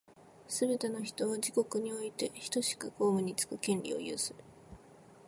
すべて人は、自国においてひとしく公務につく権利を有する。